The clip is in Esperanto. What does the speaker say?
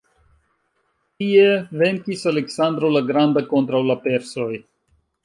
Tie venkis Aleksandro la Granda kontraŭ la persoj.